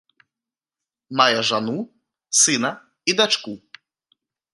Мае жану, сына і дачку.